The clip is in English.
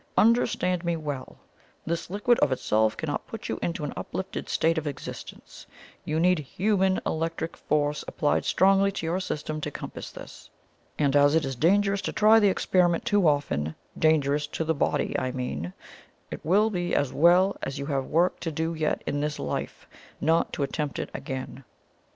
Understand me well this liquid of itself cannot put you into an uplifted state of existence; you need HUMAN electric force applied strongly to your system to compass this; and as it is dangerous to try the experiment too often dangerous to the body, I mean it will be as well, as you have work to do yet in this life, not to attempt it again.